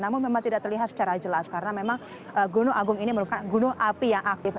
namun memang tidak terlihat secara jelas karena memang gunung agung ini merupakan gunung api yang aktif